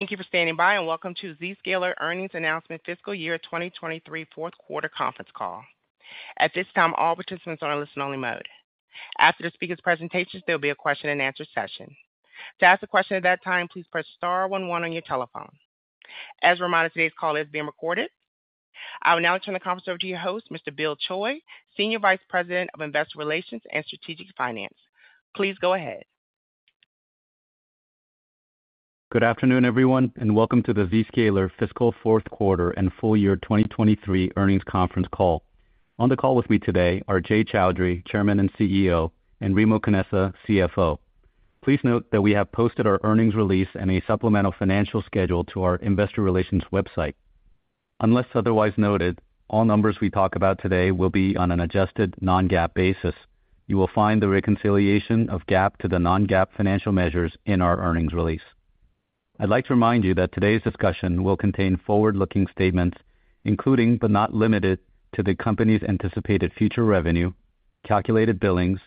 Thank you for standing by, and welcome to Zscaler Earnings Announcement Fiscal Year 2023, Fourth Quarter Conference Call. At this time, all participants are in listen-only mode. After the speaker's presentations, there'll be a question-and-answer session. To ask a question at that time, please press star one one on your telephone. As a reminder, today's call is being recorded. I will now turn the conference over to your host, Mr. Bill Choi, Senior Vice President of Investor Relations and Strategic Finance. Please go ahead. Good afternoon, everyone, and welcome to the Zscaler Fiscal Fourth Quarter and Full Year 2023 Earnings Conference Call. On the call with me today are Jay Chaudhry, Chairman and CEO, and Remo Canessa, CFO. Please note that we have posted our earnings release and a supplemental financial schedule to our investor relations website. Unless otherwise noted, all numbers we talk about today will be on an adjusted non-GAAP basis. You will find the reconciliation of GAAP to the non-GAAP financial measures in our earnings release. I'd like to remind you that today's discussion will contain forward-looking statements, including but not limited to, the company's anticipated future revenue, calculated billings,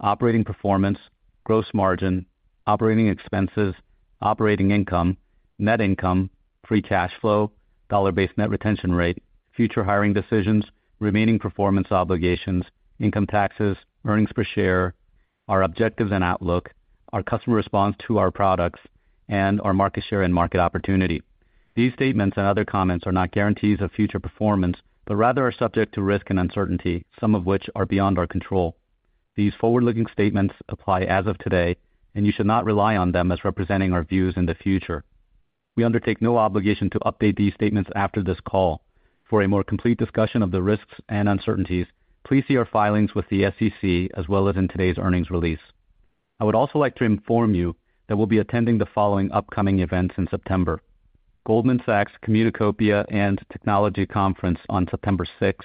operating performance, gross margin, operating expenses, operating income, net income, free cash flow, dollar-based net retention rate, future hiring decisions, remaining performance obligations, income taxes, earnings per share, our objectives and outlook, our customer response to our products, and our market share and market opportunity. These statements and other comments are not guarantees of future performance, but rather are subject to risk and uncertainty, some of which are beyond our control. These forward-looking statements apply as of today, and you should not rely on them as representing our views in the future. We undertake no obligation to update these statements after this call. For a more complete discussion of the risks and uncertainties, please see our filings with the SEC as well as in today's earnings release. I would also like to inform you that we'll be attending the following upcoming events in September: Goldman Sachs Communacopia + Technology Conference on September 6th,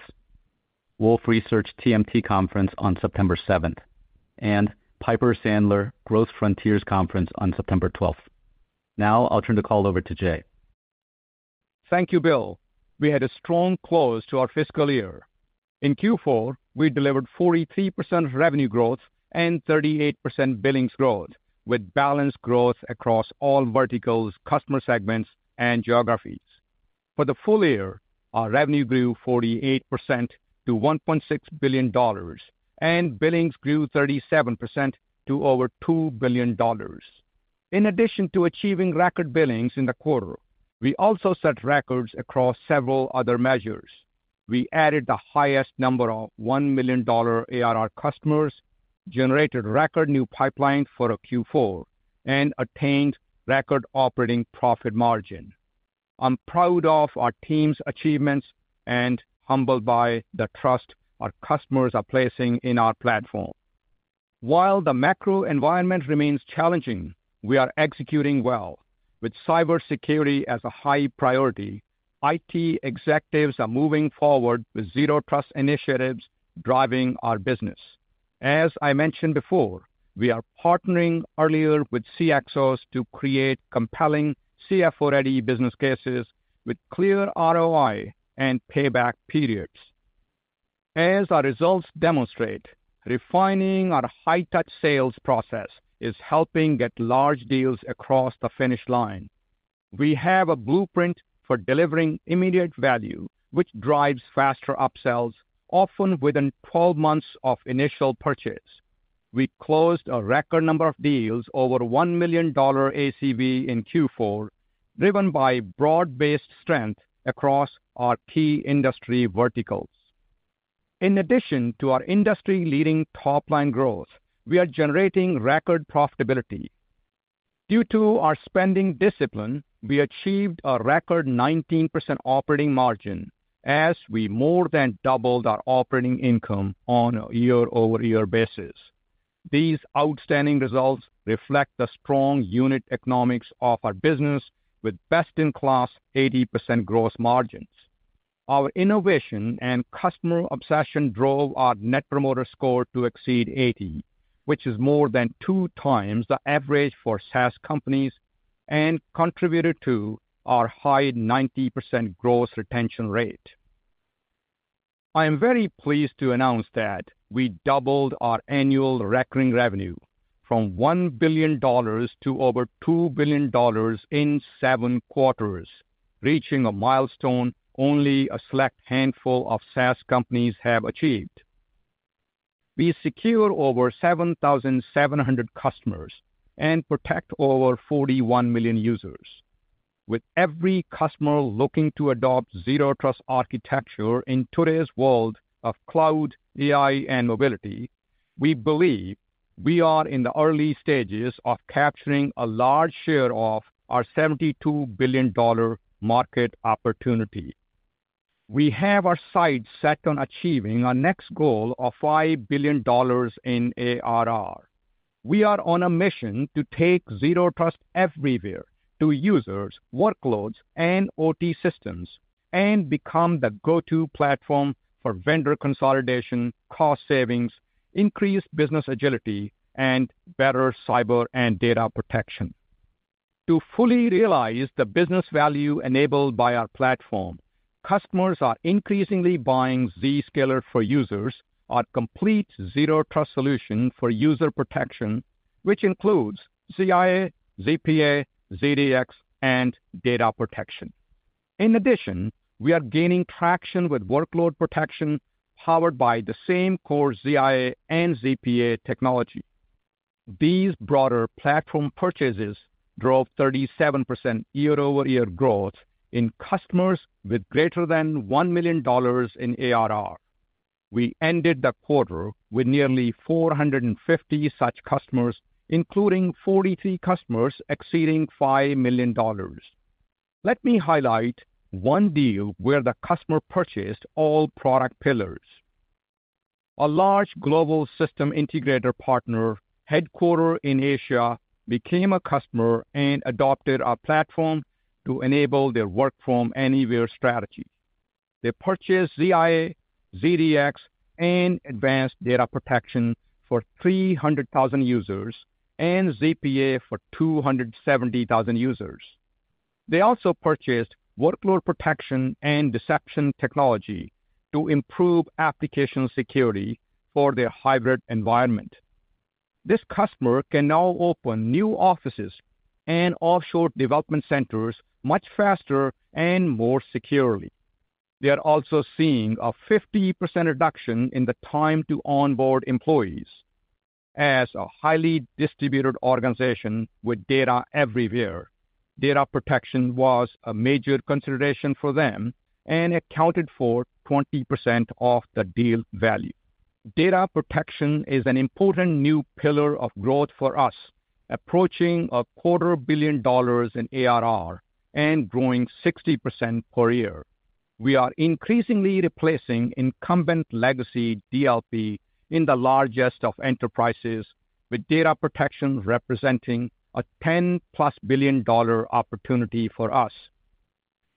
Wolfe Research TMT Conference on September 7th, and Piper Sandler Growth Frontiers Conference on September 12th. Now I'll turn the call over to Jay. Thank you, Bill. We had a strong close to our fiscal year. In Q4, we delivered 43% revenue growth and 38% billings growth, with balanced growth across all verticals, customer segments, and geographies. For the full year, our revenue grew 48% to $1.6 billion, and billings grew 37% to over $2 billion. In addition to achieving record billings in the quarter, we also set records across several other measures. We added the highest number of $1 million ARR customers, generated record new pipeline for a Q4, and attained record operating profit margin. I'm proud of our team's achievements and humbled by the trust our customers are placing in our platform. While the macro environment remains challenging, we are executing well. With cybersecurity as a high priority, IT executives are moving forward with Zero Trust initiatives driving our business. As I mentioned before, we are partnering earlier with CXOs to create compelling CFO-ready business cases with clear ROI and payback periods. As our results demonstrate, refining our high-touch sales process is helping get large deals across the finish line. We have a blueprint for delivering immediate value, which drives faster upsells, often within 12 months of initial purchase. We closed a record number of deals over $1 million ACV in Q4, driven by broad-based strength across our key industry verticals. In addition to our industry-leading top-line growth, we are generating record profitability. Due to our spending discipline, we achieved a record 19% operating margin as we more than doubled our operating income on a year-over-year basis. These outstanding results reflect the strong unit economics of our business with best-in-class 80% gross margins. Our innovation and customer obsession drove our Net Promoter Score to exceed 80, which is more than 2x the average for SaaS companies and contributed to our high 90% gross retention rate. I am very pleased to announce that we doubled our annual recurring revenue from $1 billion to over $2 billion in 7 quarters, reaching a milestone only a select handful of SaaS companies have achieved. We secure over 7,700 customers and protect over 41 million users. With every customer looking to adopt Zero Trust architecture in today's world of cloud, AI, and mobility, we believe we are in the early stages of capturing a large share of our $72 billion market opportunity. We have our sights set on achieving our next goal of $5 billion in ARR. We are on a mission to take Zero Trust everywhere to users, workloads, and OT systems and become the go-to platform for vendor consolidation, cost savings, increased business agility, and better cyber and data protection. To fully realize the business value enabled by our platform, customers are increasingly buying Zscaler for Users, our complete Zero Trust solution for user protection, which includes ZIA, ZPA, ZDX, and data protection. In addition, we are gaining traction with workload protection, powered by the same core ZIA and ZPA technology. These broader platform purchases drove 37% year-over-year growth in customers with greater than $1 million in ARR. We ended the quarter with nearly 450 such customers, including 43 customers exceeding $5 million. Let me highlight one deal where the customer purchased all product pillars. A large global system integrator partner, headquartered in Asia, became a customer and adopted our platform to enable their work-from-anywhere strategy. They purchased ZIA, ZDX, and advanced data protection for 300,000 users and ZPA for 270,000 users. They also purchased workload protection and deception technology to improve application security for their hybrid environment. This customer can now open new offices and offshore development centers much faster and more securely. They are also seeing a 50% reduction in the time to onboard employees. As a highly distributed organization with data everywhere, data protection was a major consideration for them and accounted for 20% of the deal value. Data protection is an important new pillar of growth for us, approaching $250 million in ARR and growing 60% per year. We are increasingly replacing incumbent legacy DLP in the largest of enterprises, with data protection representing a $10+ billion opportunity for us.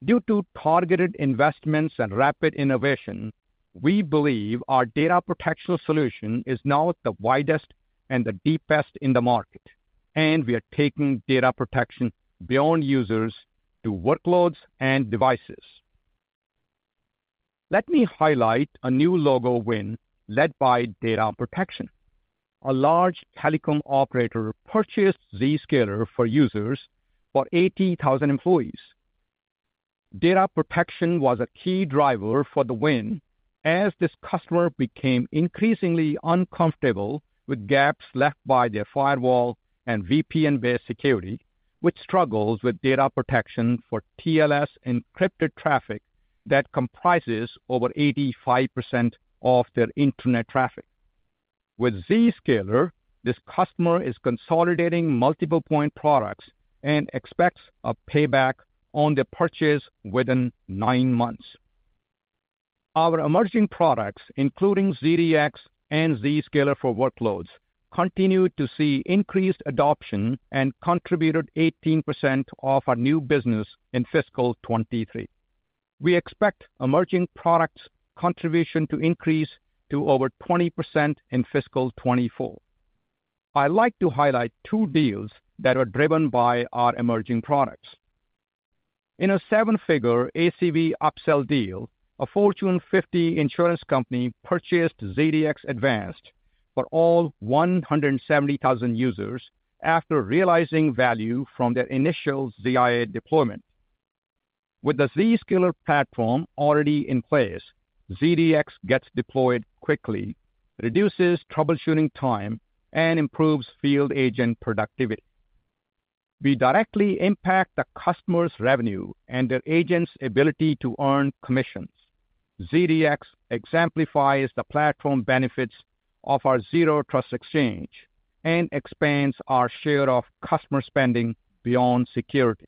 Due to targeted investments and rapid innovation, we believe our data protection solution is now the widest and the deepest in the market, and we are taking data protection beyond users to workloads and devices. Let me highlight a new logo win led by data protection. A large telecom operator purchased Zscaler for Users for 80,000 employees. Data protection was a key driver for the win, as this customer became increasingly uncomfortable with gaps left by their firewall and VPN-based security, which struggles with data protection for TLS encrypted traffic that comprises over 85% of their internet traffic. With Zscaler, this customer is consolidating multiple point products and expects a payback on their purchase within 9 months. Our emerging products, including ZDX and Zscaler for Workloads, continued to see increased adoption and contributed 18% of our new business in fiscal 2023. We expect emerging products contribution to increase to over 20% in fiscal 2024. I like to highlight two deals that are driven by our emerging products. In a seven-figure ACV upsell deal, a Fortune 50 insurance company purchased ZDX Advanced for all 170,000 users after realizing value from their initial ZIA deployment. With the Zscaler platform already in place, ZDX gets deployed quickly, reduces troubleshooting time, and improves field agent productivity. We directly impact the customer's revenue and their agents' ability to earn commissions. ZDX exemplifies the platform benefits of our Zero Trust Exchange and expands our share of customer spending beyond security.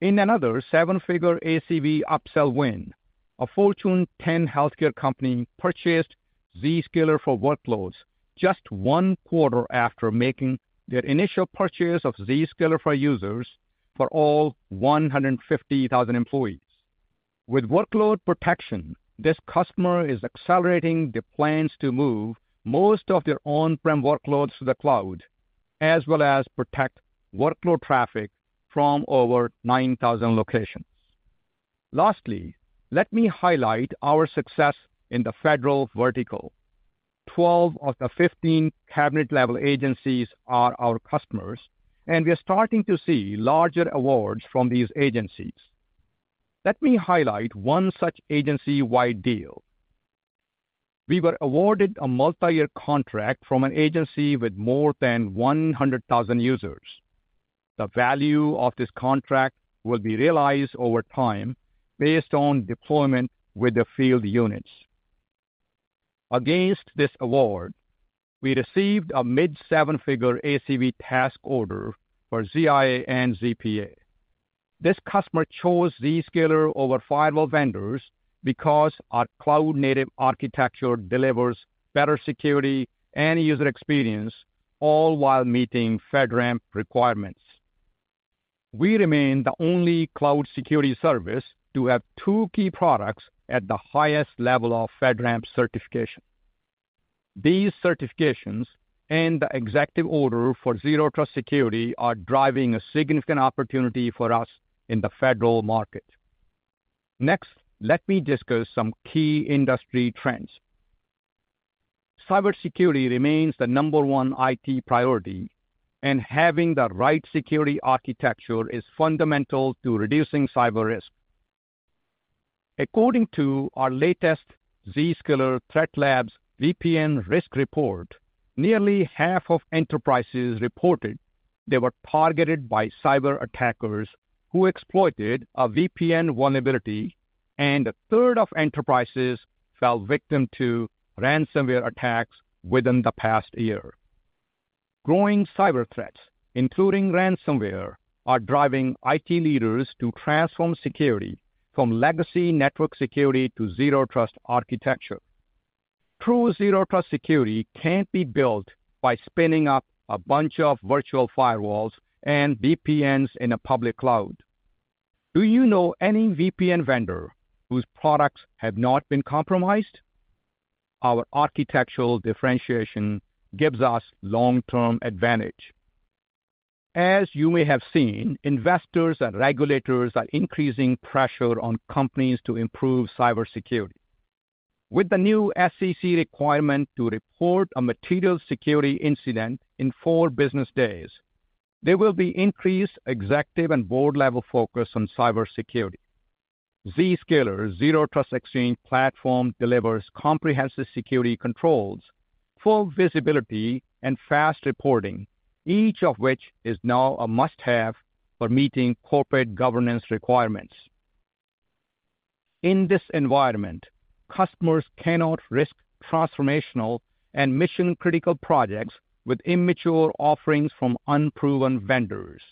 In another seven-figure ACV upsell win, a Fortune 10 healthcare company purchased Zscaler for Workloads just one quarter after making their initial purchase of Zscaler for Users for all 150,000 employees. With workload protection, this customer is accelerating their plans to move most of their on-prem workloads to the cloud, as well as protect workload traffic from over 9,000 locations. Lastly, let me highlight our success in the federal vertical. 12 of the 15 cabinet-level agencies are our customers, and we are starting to see larger awards from these agencies. Let me highlight one such agency-wide deal. We were awarded a multi-year contract from an agency with more than 100,000 users. The value of this contract will be realized over time based on deployment with the field units. Against this award, we received a mid-seven-figure ACV task order for ZIA and ZPA. This customer chose Zscaler over firewall vendors because our cloud-native architecture delivers better security and user experience, all while meeting FedRAMP requirements. We remain the only cloud security service to have two key products at the highest level of FedRAMP certification. These certifications and the executive order for Zero Trust security are driving a significant opportunity for us in the federal market. Next, let me discuss some key industry trends. Cybersecurity remains the number 1 IT priority, and having the right security architecture is fundamental to reducing cyber risk. According to our latest Zscaler ThreatLabz VPN Risk Report, nearly half of enterprises reported they were targeted by cyber attackers who exploited a VPN vulnerability, and a third of enterprises fell victim to ransomware attacks within the past year. Growing cyber threats, including ransomware, are driving IT leaders to transform security from legacy network security to Zero Trust architecture. True Zero Trust security can't be built by spinning up a bunch of virtual firewalls and VPNs in a public cloud. Do you know any VPN vendor whose products have not been compromised? Our architectural differentiation gives us long-term advantage. As you may have seen, investors and regulators are increasing pressure on companies to improve cybersecurity. With the new SEC requirement to report a material security incident in four business days, there will be increased executive and board-level focus on cybersecurity. Zscaler's Zero Trust Exchange platform delivers comprehensive security controls, full visibility, and fast reporting, each of which is now a must-have for meeting corporate governance requirements. In this environment, customers cannot risk transformational and mission-critical projects with immature offerings from unproven vendors.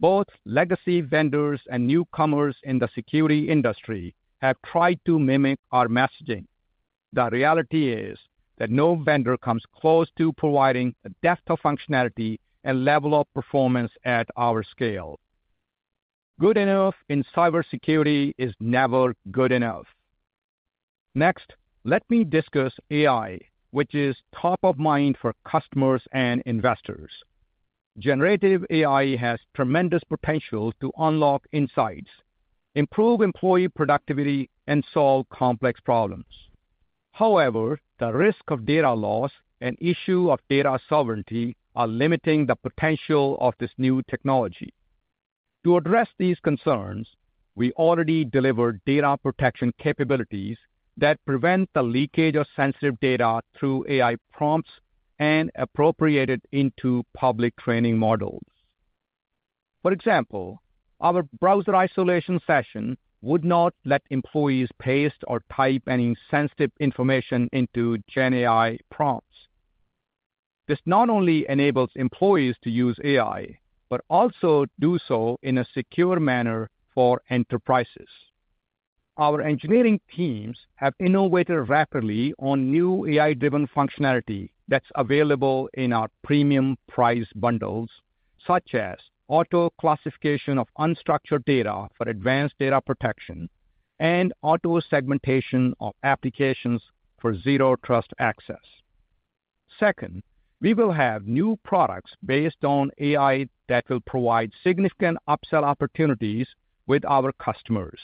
Both legacy vendors and newcomers in the security industry have tried to mimic our messaging. The reality is that no vendor comes close to providing the depth of functionality and level of performance at our scale. Good enough in cybersecurity is never good enough. Next, let me discuss AI, which is top of mind for customers and investors. Generative AI has tremendous potential to unlock insights, improve employee productivity, and solve complex problems. However, the risk of data loss and issue of data sovereignty are limiting the potential of this new technology. To address these concerns, we already deliver data protection capabilities that prevent the leakage of sensitive data through AI prompts and appropriate it into public training models. For example, our browser isolation session would not let employees paste or type any sensitive information into GenAI prompts. This not only enables employees to use AI, but also do so in a secure manner for enterprises. Our engineering teams have innovated rapidly on new AI-driven functionality that's available in our premium price bundles, such as auto-classification of unstructured data for advanced data protection and auto-segmentation of applications for Zero Trust access. Second, we will have new products based on AI that will provide significant upsell opportunities with our customers.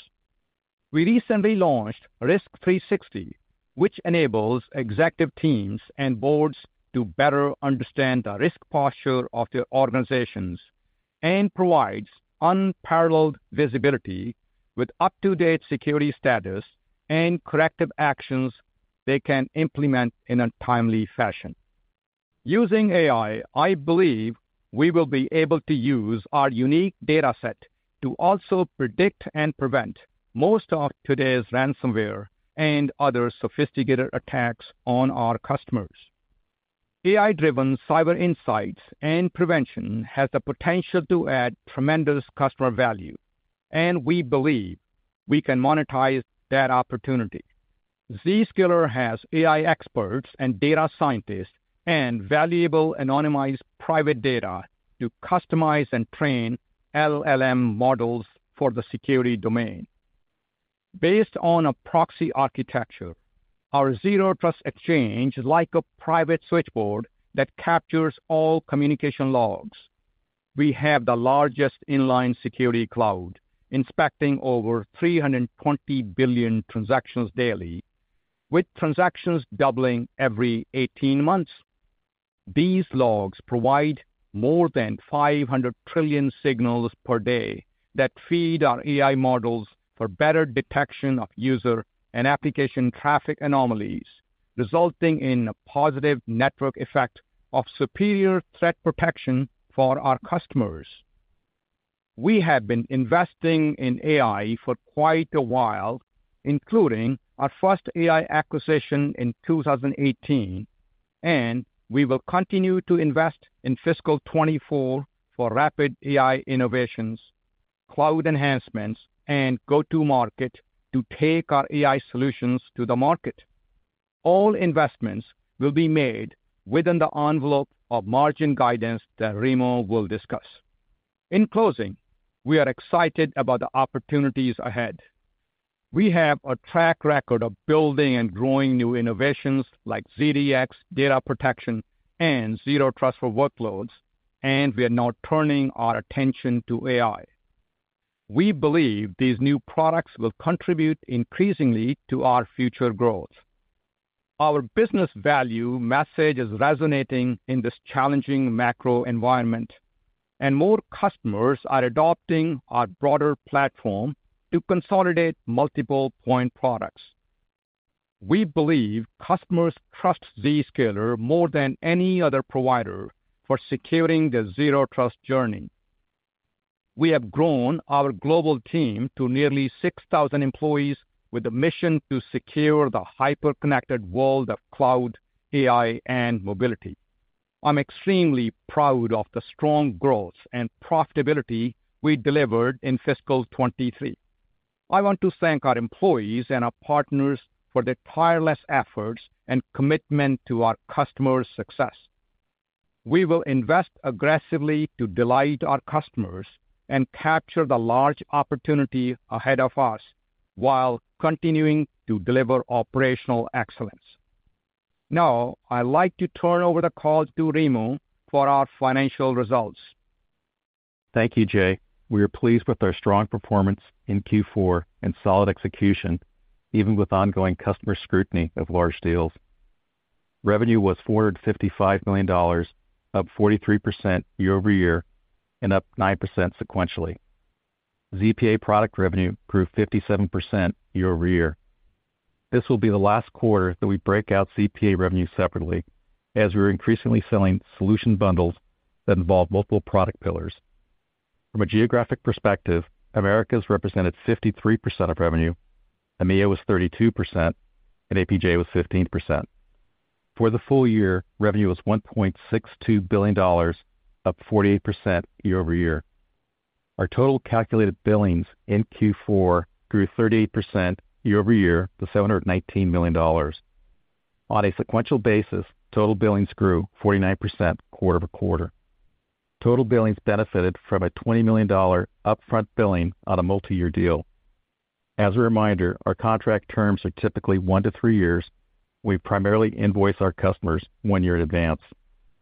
We recently launched Risk360, which enables executive teams and boards to better understand the risk posture of their organizations and provides unparalleled visibility with up-to-date security status and corrective actions they can implement in a timely fashion. Using AI, I believe we will be able to use our unique data set to also predict and prevent most of today's ransomware and other sophisticated attacks on our customers. AI-driven cyber insights and prevention has the potential to add tremendous customer value, and we believe we can monetize that opportunity. Zscaler has AI experts and data scientists and valuable anonymized private data to customize and train LLM models for the security domain. Based on a proxy architecture, our Zero Trust Exchange is like a private switchboard that captures all communication logs. We have the largest inline security cloud, inspecting over 320 billion transactions daily, with transactions doubling every 18 months. These logs provide more than 500 trillion signals per day that feed our AI models for better detection of user and application traffic anomalies, resulting in a positive network effect of superior threat protection for our customers. We have been investing in AI for quite a while, including our first AI acquisition in 2018, and we will continue to invest in fiscal 2024 for rapid AI innovations, cloud enhancements, and go-to-market to take our AI solutions to the market. All investments will be made within the envelope of margin guidance that Remo will discuss. In closing, we are excited about the opportunities ahead. We have a track record of building and growing new innovations like ZDX, data protection, and Zero Trust for workloads, and we are now turning our attention to AI. We believe these new products will contribute increasingly to our future growth. Our business value message is resonating in this challenging macro environment, and more customers are adopting our broader platform to consolidate multiple point products. We believe customers trust Zscaler more than any other provider for securing their Zero Trust journey. We have grown our global team to nearly 6,000 employees, with a mission to secure the hyper-connected world of cloud, AI, and mobility. I'm extremely proud of the strong growth and profitability we delivered in fiscal 2023. I want to thank our employees and our partners for their tireless efforts and commitment to our customers' success. We will invest aggressively to delight our customers and capture the large opportunity ahead of us, while continuing to deliver operational excellence. Now, I'd like to turn over the call to Remo for our financial results. Thank you, Jay. We are pleased with our strong performance in Q4 and solid execution, even with ongoing customer scrutiny of large deals. Revenue was $455 million, up 43% year-over-year, and up 9% sequentially. ZPA product revenue grew 57% year-over-year. This will be the last quarter that we break out ZPA revenue separately, as we're increasingly selling solution bundles that involve multiple product pillars. From a geographic perspective, Americas represented 53% of revenue, EMEA was 32%, and APJ was 15%. For the full year, revenue was $1.62 billion, up 48% year-over-year. Our total calculated billings in Q4 grew 38% year-over-year to $719 million. On a sequential basis, total billings grew 49% quarter-over-quarter. Total billings benefited from a $20 million upfront billing on a multi-year deal. As a reminder, our contract terms are typically one to three years. We primarily invoice our customers one year in advance.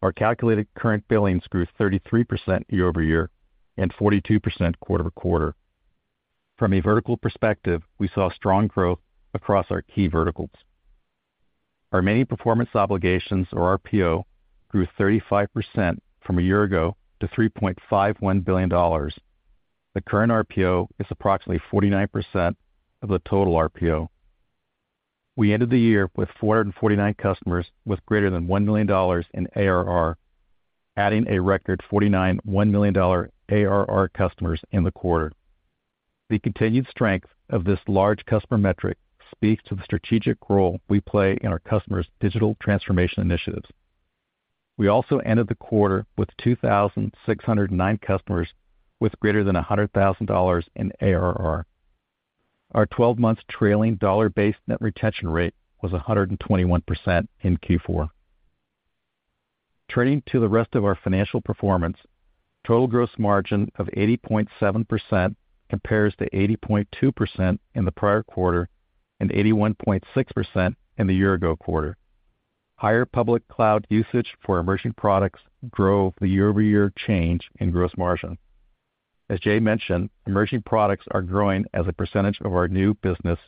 Our calculated current billings grew 33% year-over-year and 42% quarter-over-quarter. From a vertical perspective, we saw strong growth across our key verticals. Our remaining performance obligations, or RPO, grew 35% from a year ago to $3.51 billion. The current RPO is approximately 49% of the total RPO. We ended the year with 449 customers, with greater than $1 million in ARR, adding a record 49 $1 million ARR customers in the quarter. The continued strength of this large customer metric speaks to the strategic role we play in our customers' digital transformation initiatives. We also ended the quarter with 2,609 customers, with greater than $100,000 in ARR. Our 12-month trailing dollar-based net retention rate was 121% in Q4. Turning to the rest of our financial performance, total gross margin of 80.7% compares to 80.2% in the prior quarter and 81.6% in the year-ago quarter. Higher public cloud usage for emerging products drove the year-over-year change in gross margin. As Jay mentioned, emerging products are growing as a percentage of our new business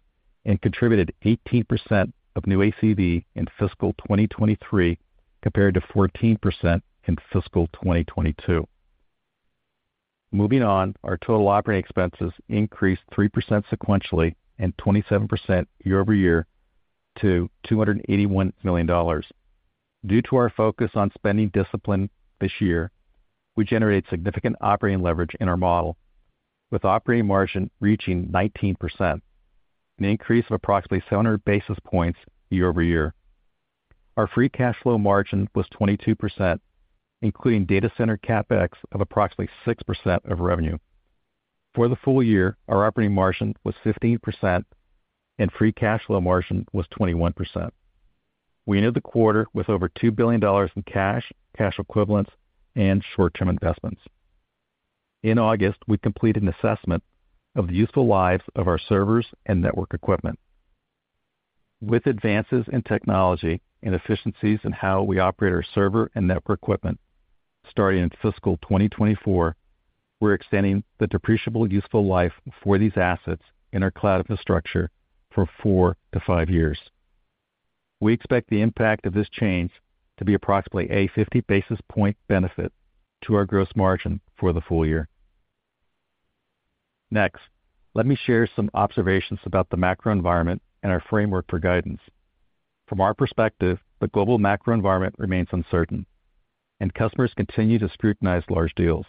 and contributed 18% of new ACV in fiscal 2023, compared to 14% in fiscal 2022. Moving on, our total operating expenses increased 3% sequentially and 27% year over year to $281 million. Due to our focus on spending discipline this year, we generated significant operating leverage in our model, with operating margin reaching 19%, an increase of approximately 700 basis points year-over-year. Our free cash flow margin was 22%, including data center CapEx of approximately 6% of revenue. For the full year, our operating margin was 15% and free cash flow margin was 21%. We ended the quarter with over $2 billion in cash, cash equivalents, and short-term investments. In August, we completed an assessment of the useful lives of our servers and network equipment. With advances in technology and efficiencies in how we operate our server and network equipment, starting in fiscal 2024, we're extending the depreciable useful life for these assets in our cloud infrastructure for 4-5 years. We expect the impact of this change to be approximately a 50 basis points benefit to our gross margin for the full year. Next, let me share some observations about the macro environment and our framework for guidance. From our perspective, the global macro environment remains uncertain, and customers continue to scrutinize large deals.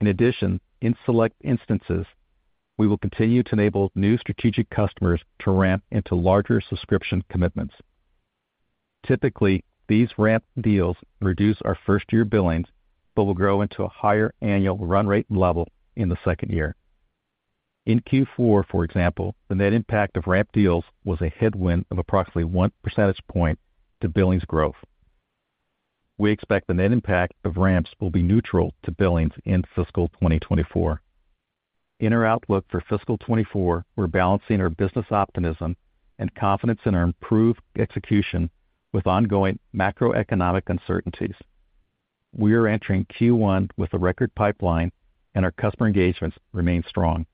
In addition, in select instances, we will continue to enable new strategic customers to ramp into larger subscription commitments. Typically, these ramp deals reduce our first-year billings but will grow into a higher annual run rate level in the second year. In Q4, for example, the net impact of ramp deals was a headwind of approximately one percentage point to billings growth. We expect the net impact of ramps will be neutral to billings in fiscal 2024. In our outlook for fiscal 2024, we're balancing our business optimism and confidence in our improved execution with ongoing macroeconomic uncertainties. We are entering Q1 with a record pipeline, and our customer engagements remain strong.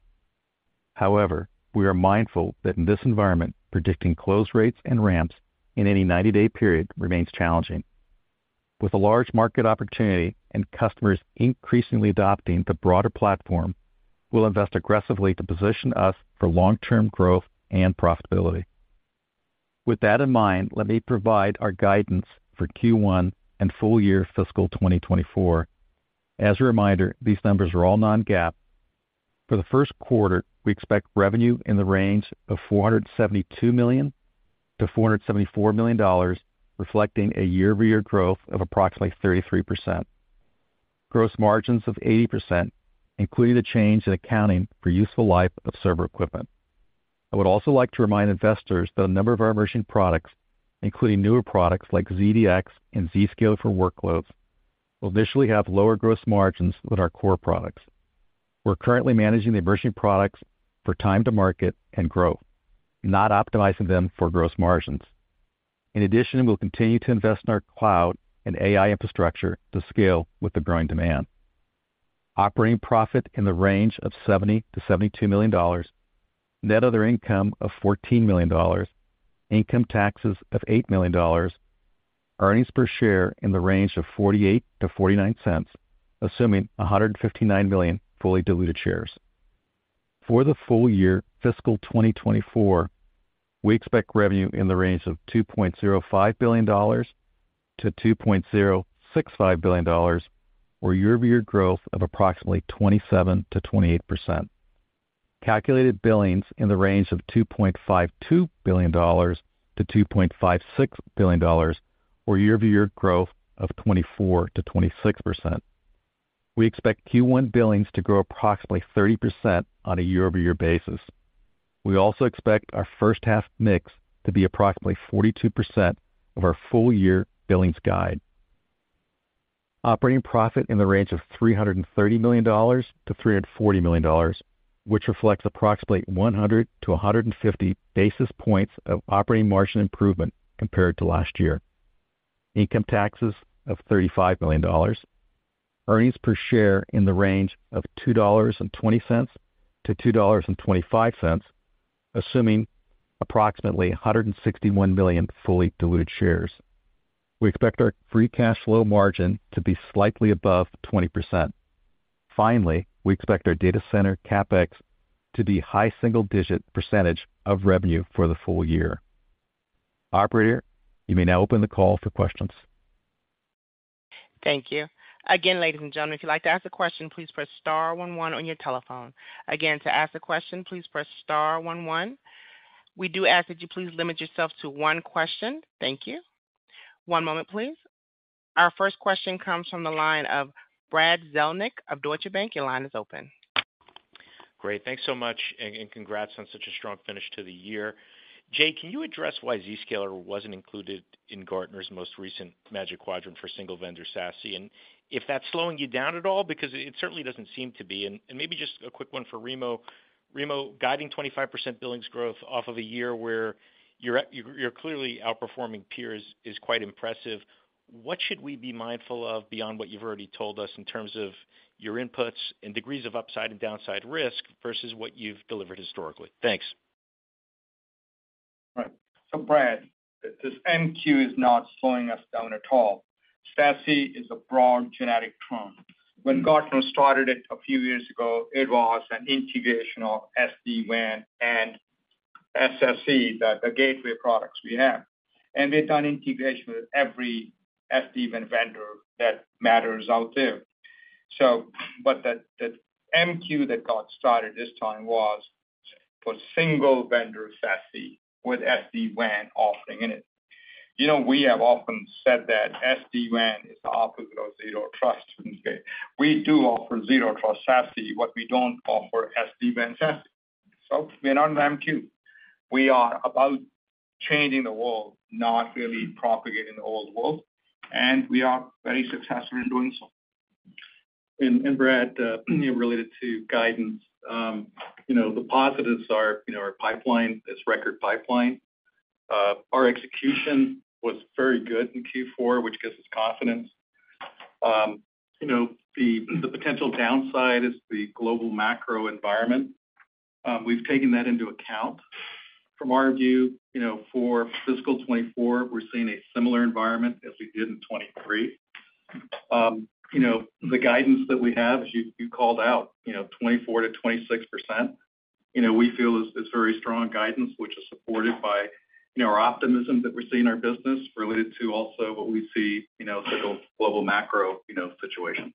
However, we are mindful that in this environment, predicting close rates and ramps in any 90-day period remains challenging. With a large market opportunity and customers increasingly adopting the broader platform, we'll invest aggressively to position us for long-term growth and profitability. With that in mind, let me provide our guidance for Q1 and full year fiscal 2024. As a reminder, these numbers are all non-GAAP. For the first quarter, we expect revenue in the range of $472 million to $474 million, reflecting a year-over-year growth of approximately 33%. Gross margins of 80%, including the change in accounting for useful life of server equipment. I would also like to remind investors that a number of our emerging products, including newer products like ZDX and Zscaler for Workloads, will initially have lower gross margins than our core products. We're currently managing the emerging products for time to market and growth, not optimizing them for gross margins. In addition, we'll continue to invest in our cloud and AI infrastructure to scale with the growing demand. Operating profit in the range of $70 million to $72 million, net other income of $14 million, income taxes of $8 million, earnings per share in the range of $0.48-$0.49, assuming 159 million fully diluted shares. For the full year, fiscal 2024, we expect revenue in the range of $2.05 billion to $2.065 billion, or year-over-year growth of approximately 27%-28%. Calculated billings in the range of $2.52 billion to $2.56 billion, or year-over-year growth of 24%-26%. We expect Q1 billings to grow approximately 30% on a year-over-year basis. We also expect our first half mix to be approximately 42% of our full-year billings guide. Operating profit in the range of $330 million to $340 million, which reflects approximately 100-150 basis points of operating margin improvement compared to last year. Income taxes of $35 million. Earnings per share in the range of $2.20-$2.25, assuming approximately 161 million fully diluted shares. We expect our free cash flow margin to be slightly above 20%. Finally, we expect our data center CapEx to be high single-digit % of revenue for the full year. Operator, you may now open the call for questions. Thank you. Again, ladies and gentlemen, if you'd like to ask a question, please press star one one on your telephone. Again, to ask a question, please press star one one. We do ask that you please limit yourself to one question. Thank you. One moment, please. Our first question comes from the line of Brad Zelnick of Deutsche Bank. Your line is open. Great. Thanks so much, and congrats on such a strong finish to the year. Jay, can you address why Zscaler wasn't included in Gartner's most recent Magic Quadrant for Single-Vendor SASE, and if that's slowing you down at all? Because it certainly doesn't seem to be. And maybe just a quick one for Remo. Remo, guiding 25% billings growth off of a year where you're clearly outperforming peers is quite impressive. What should we be mindful of beyond what you've already told us in terms of your inputs and degrees of upside and downside risk versus what you've delivered historically? Thanks. Right. So, Brad, this MQ is not slowing us down at all. SASE is a broad genetic term. When Gartner started it a few years ago, it was an integration of SD-WAN and SSE, the gateway products we have. And they've done integration with every SD-WAN vendor that matters out there. But the MQ that got started this time was for Single-Vendor SASE, with SD-WAN offering in it. You know, we have often said that SD-WAN is the opposite of Zero Trust. We do offer Zero Trust SASE, but we don't offer SD-WAN SASE, so we're not MQ. We are about changing the world, not really propagating the old world, and we are very successful in doing so. Brad, related to guidance the positives are our pipeline, this record pipeline. Our execution was very good in Q4, which gives us confidence. The potential downside is the global macro environment. We've taken that into account. From our view for fiscal 2024, we're seeing a similar environment as we did in 2023. The guidance that we have, as you called out 24%-26% we feel is very strong guidance, which is supported by our optimism that we're seeing in our business related to also what we see global macro situation.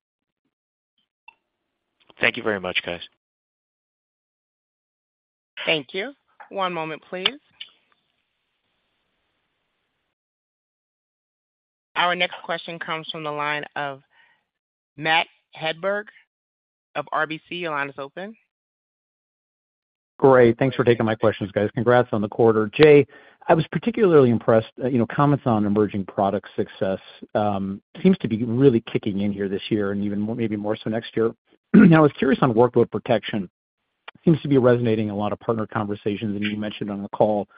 Thank you very much, guys. Thank you. One moment, please. Our next question comes from the line of Matt Hedberg of RBC. Your line is open. Great. Thanks for taking my questions, guys. Congrats on the quarter. Jay, I was particularly impressed, you know, comments on emerging product success, seems to be really kicking in here this year and even more, maybe more so next year. Now, I was curious on workload protection. Seems to be resonating a lot of partner conversations, and you mentioned on the call.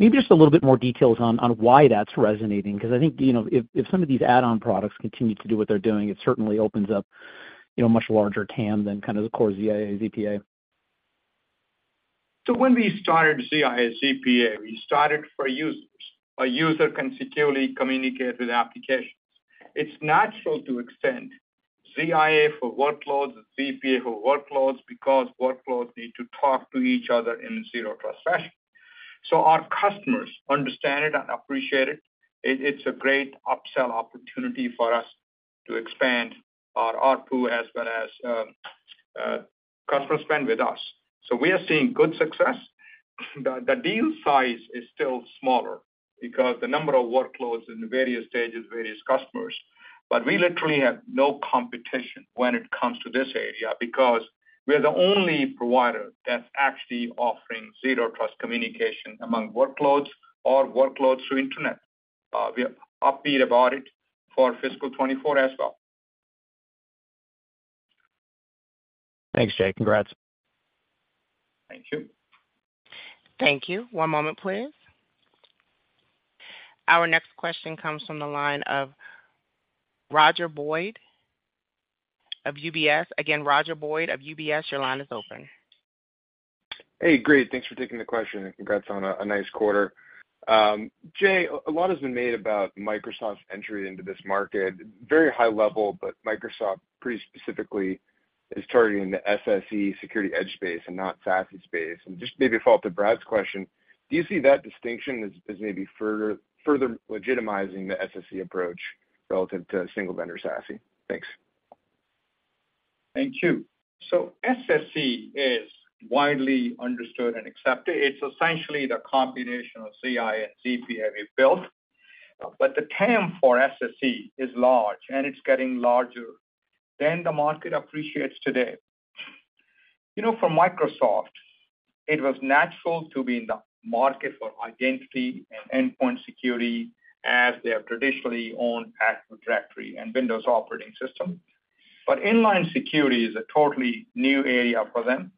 Maybe just a little bit more details on, on why that's resonating. Because I think, you know, if, if some of these add-on products continue to do what they're doing, it certainly opens up, you know, a much larger TAM than kind of the core ZIA, ZPA. So when we started ZIA, ZPA, we started for users. A user can securely communicate with applications. It's natural to extend ZIA for workloads, ZPA for workloads, because workloads need to talk to each other in a Zero Trust fashion. So our customers understand it and appreciate it. It's a great upsell opportunity for us to expand our ARPU, as well as customer spend with us. So we are seeing good success. The deal size is still smaller because the number of workloads in the various stages, various customers. But we literally have no competition when it comes to this area, because we're the only provider that's actually offering Zero Trust communication among workloads or workloads through internet. We are upbeat about it for fiscal 2024 as well. Thanks, Jay. Congrats. Thank you. Thank you. One moment, please. Our next question comes from the line of Roger Boyd of UBS. Again, Roger Boyd of UBS, your line is open. Hey, great. Thanks for taking the question, and congrats on a nice quarter. Jay, a lot has been made about Microsoft's entry into this market. Very high level, but Microsoft pretty specifically is targeting the SSE security edge space and not SASE space. And just maybe to follow up to Brad's question, do you see that distinction as maybe further legitimizing the SSE approach relative to single vendor SASE? Thanks. Thank you. So SSE is widely understood and accepted. It's essentially the combination of CI and ZPA we built. But the TAM for SSE is large, and it's getting larger than the market appreciates today. You know, for Microsoft, it was natural to be in the market for identity and endpoint security, as they have traditionally owned Active Directory and Windows operating system. But inline security is a totally new area for them.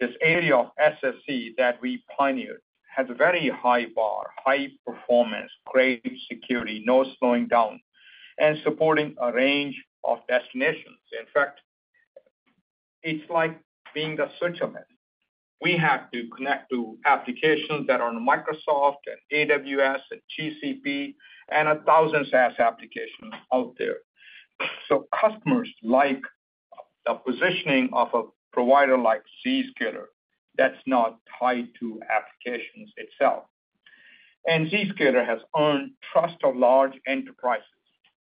This area of SSE that we pioneered has a very high bar, high performance, great security, no slowing down, and supporting a range of destinations. In fact, it's like being the switchman. We have to connect to applications that are on Microsoft and AWS and GCP and 1,000 SaaS applications out there. So customers like the positioning of a provider like Zscaler that's not tied to applications itself. Zscaler has earned trust of large enterprises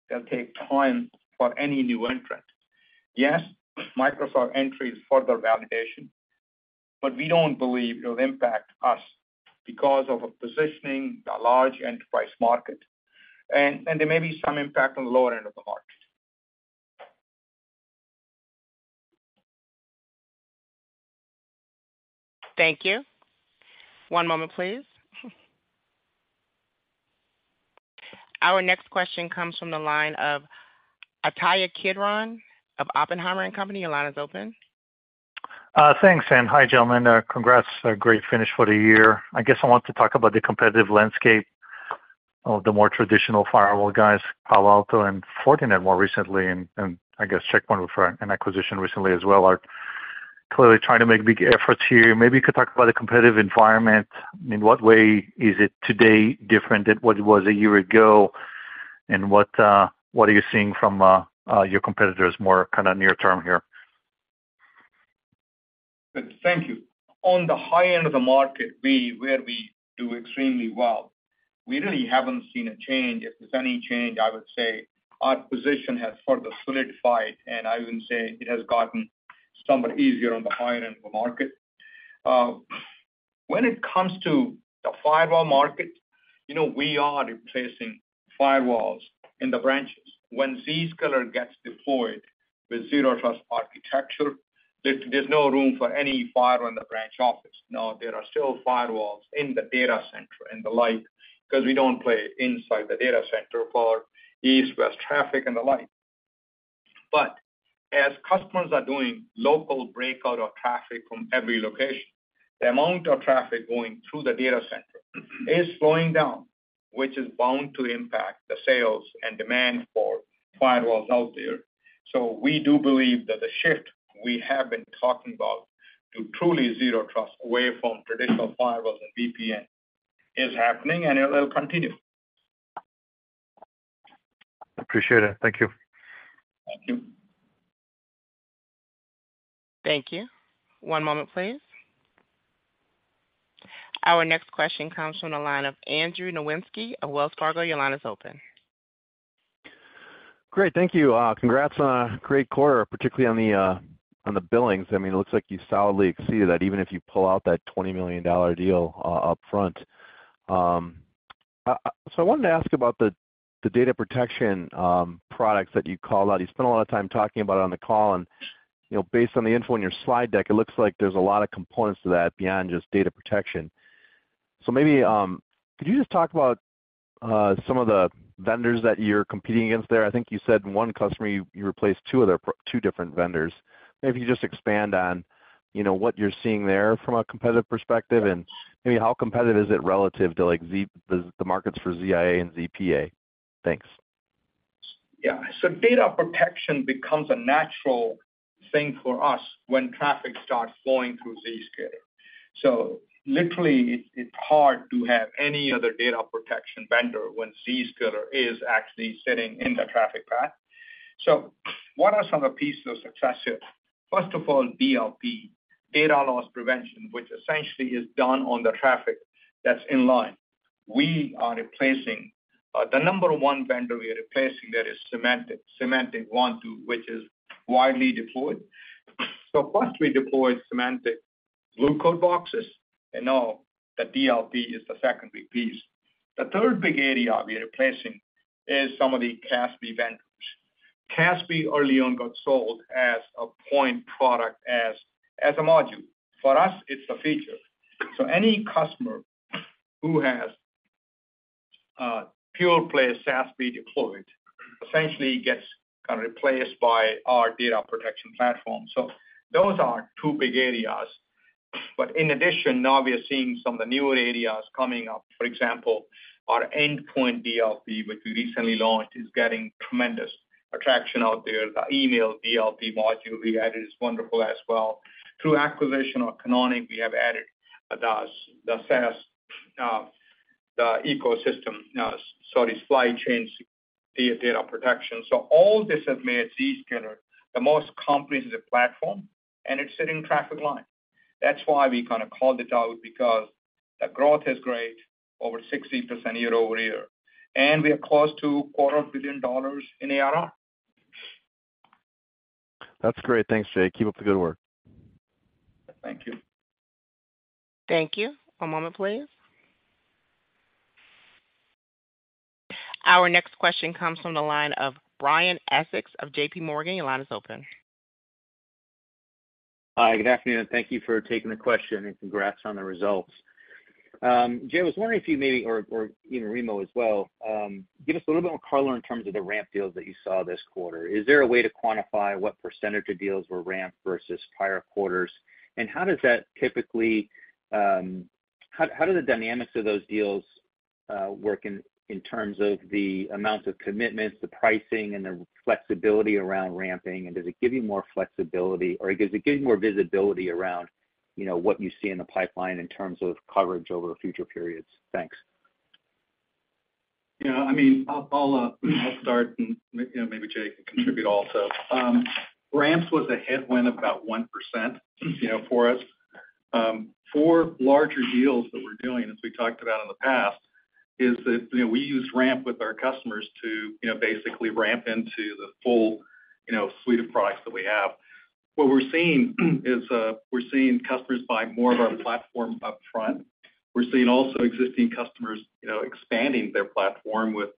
that take time for any new entrant. Yes, Microsoft entry is further validation, but we don't believe it'll impact us because of a positioning the large enterprise market. And there may be some impact on the lower end of the market. Thank you. One moment, please. Our next question comes from the line of Itai Kidron of Oppenheimer & Company. Your line is open. Thanks, and hi, gentlemen. Congrats, a great finish for the year. I guess I want to talk about the competitive landscape of the more traditional firewall guys, Palo Alto and Fortinet, more recently, and, and I guess Check Point with an acquisition recently as well, are clearly trying to make big efforts here. Maybe you could talk about the competitive environment. In what way is it today different than what it was a year ago? And what, what are you seeing from, your competitors more kind of near term here? Thank you. On the high end of the market, where we do extremely well, we really haven't seen a change. If there's any change, I would say our position has further solidified, and I would say it has gotten somewhat easier on the high end of the market. When it comes to the firewall market, you know, we are replacing firewalls in the branches. When Zscaler gets deployed with Zero Trust architecture, there's no room for any firewall in the branch office. Now, there are still firewalls in the data center and the like, because we don't play inside the data center for east-west traffic and the like. But as customers are doing local breakout of traffic from every location, the amount of traffic going through the data center is slowing down, which is bound to impact the sales and demand for firewalls out there. We do believe that the shift we have been talking about to truly Zero Trust, away from traditional firewalls and VPN, is happening and it will continue. Appreciate it. Thank you. Thank you. Thank you. One moment, please. Our next question comes from the line of Andrew Nowinski of Wells Fargo. Your line is open. Great. Thank you. Congrats on a great quarter, particularly on the billings. I mean, it looks like you solidly exceeded that, even if you pull out that $20 million deal upfront. So I wanted to ask about the data protection products that you call out. You spent a lot of time talking about it on the call, and, you know, based on the info on your slide deck, it looks like there's a lot of components to that beyond just data protection. So maybe could you just talk about some of the vendors that you're competing against there? I think you said one customer, you replaced two of their two different vendors. Maybe you just expand on, you know, what you're seeing there from a competitive perspective, and maybe how competitive is it relative to, like, the markets for ZIA and ZPA? Thanks. Yeah. So data protection becomes a natural thing for us when traffic starts flowing through Zscaler. So literally, it's hard to have any other data protection vendor when Zscaler is actually sitting in the traffic path. So what are some of the pieces of success here? First of all, DLP, data loss prevention, which essentially is done on the traffic that's in line. We are replacing the number one vendor we are replacing there is Symantec. Symantec, which is widely deployed. So first, we deployed Symantec Blue Coat boxes, and now the DLP is the second big piece. The third big area we are replacing is some of the CASB vendors. CASB early on got sold as a point product, as a module. For us, it's a feature. So any customer who has pure play CASB deployed, essentially gets kind of replaced by our data protection platform. So those are two big areas. But in addition, now we are seeing some of the newer areas coming up. For example, our endpoint DLP, which we recently launched, is getting tremendous traction out there. The email DLP module we added is wonderful as well. Through acquisition of Canonic, we have added the SaaS, the ecosystem, sorry, supply chain data protection. So all this has made Zscaler the most comprehensive platform, and it's sitting traffic line. That's why we kind of called it out, because the growth is great, over 60% year-over-year, and we are close to $250 million in ARR. That's great. Thanks, Jay. Keep up the good work. Thank you. Thank you. One moment, please. Our next question comes from the line of Brian Essex of JP Morgan. Your line is open. Hi, good afternoon, and thank you for taking the question, and congrats on the results. Jay, I was wondering if you maybe, or you know, Remo as well, give us a little bit more color in terms of the ramp deals that you saw this quarter. Is there a way to quantify what percentage of deals were ramped versus prior quarters? And how does that typically, how do the dynamics of those deals work in terms of the amount of commitments, the pricing, and the flexibility around ramping? And does it give you more flexibility, or does it give you more visibility around, you know, what you see in the pipeline in terms of coverage over future periods? Thanks. I'll start and maybe Jay can contribute also. Ramps was a headwind of about 1% for us. For larger deals that we're doing, as we talked about in the past, is that we use ramp with our customers to basically ramp into the full suite of products that we have. What we're seeing is we're seeing customers buy more of our platform upfront. We're seeing also existing customers expanding their platform with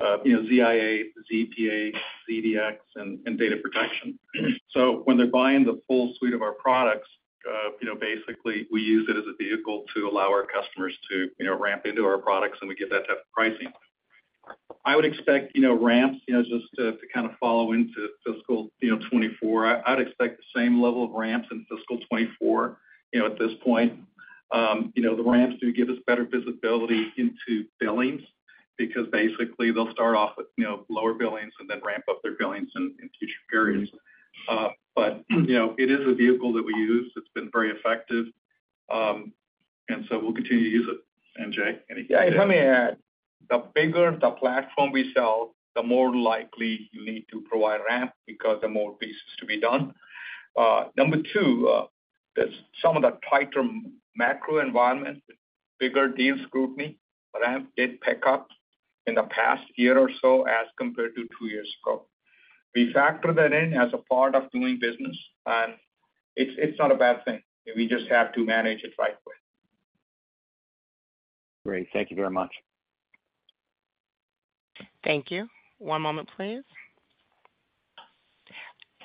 ZIA, ZPA, ZDX, and data protection. So when they're buying the full suite of our products basically, we use it as a vehicle to allow our customers to ramp into our products, and we give that type of pricing. I would expect ramps just to follow into fiscal 2024. I'd expect the same level of ramps in fiscal 2024 at this point. The ramps do give us better visibility into billings, because basically, they'll start off with lower billings and then ramp up their billings in future periods. It is a vehicle that we use. It's been very effective, and so we'll continue to use it. Yeah, let me add. The bigger the platform we sell, the more likely you need to provide ramp, because the more pieces to be done. Number two, there's some of the tighter macro environment, bigger deal scrutiny. Ramp did pick up in the past year or so as compared to two years ago. We factor that in as a part of doing business, and it's, it's not a bad thing. We just have to manage it rightly. Great. Thank you very much. Thank you. One moment, please.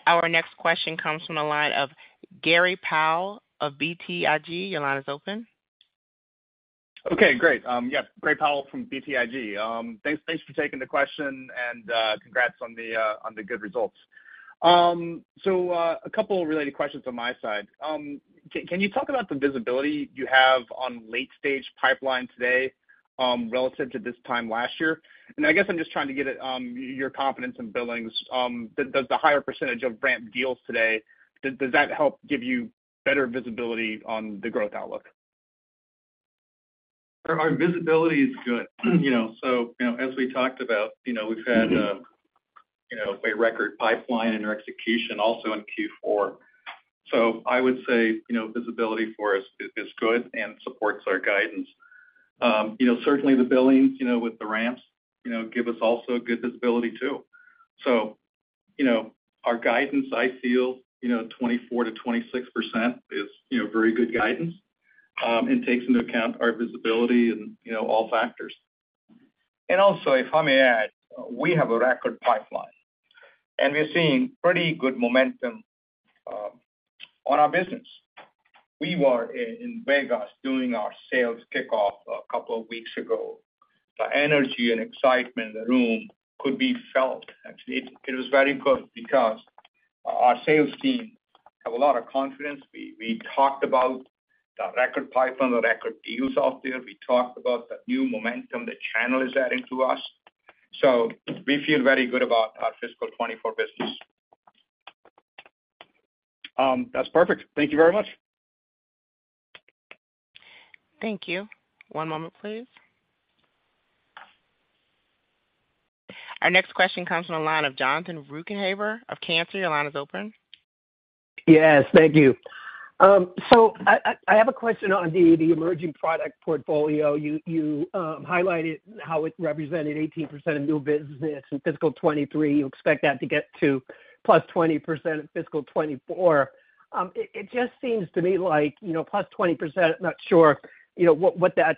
Our next question comes from the line of Gray Powell of BTIG. Your line is open. Okay, great. Gray Powell from BTIG. Thanks, thanks for taking the question, and, congrats on the good results. A couple of related questions on my side. Can, can you talk about the visibility you have on late-stage pipeline today, relative to this time last year? And I guess I'm just trying to get at, your confidence in billings. Does the higher percentage of ramp deals today does that help give you better visibility on the growth outlook? Our visibility is good. As we talked about we've had a record pipeline and execution also in Q4. So I would say visibility for us is good and supports our guidance. Certainly, the billings with the ramps give us also a good visibility too. Our guidance, I feel 24%-26% is very good guidance, and takes into account our visibility and all factors. And also, if I may add, we have a record pipeline, and we're seeing pretty good momentum on our business. We were in Vegas doing our sales kickoff a couple of weeks ago. The energy and excitement in the room could be felt. Actually, it was very good because our sales team have a lot of confidence. We talked about the record pipeline, the record deals out there. We talked about the new momentum the channel is adding to us. So we feel very good about our fiscal 2024 business. That's perfect. Thank you very much. Thank you. One moment, please. Our next question comes from the line of Jonathan Ruykhaver of Cantor. Your line is open. Thank you. So I have a question on the emerging product portfolio. You highlighted how it represented 18% of new business in fiscal 2023. You expect that to get to +20% in fiscal 2024. It just seems to me +20%, I'm not sure what that